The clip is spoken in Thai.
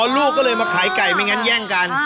ลูกก็เลยมาขายไก่ไม่งั้นแย่งกัน